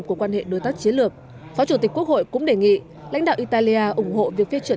của quan hệ đối tác chiến lược phó chủ tịch quốc hội cũng đề nghị lãnh đạo italia ủng hộ việc phía truyền